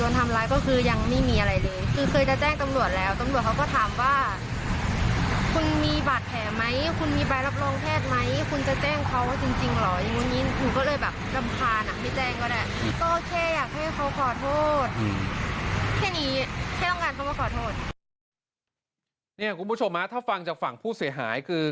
คุณผู้ชมถ้าฟังจากฝั่งผู้เสียหายคือ